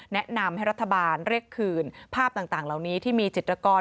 แนะนำให้รัฐบาลเรียกคืนภาพต่างเหล่านี้ที่มีจิตรกร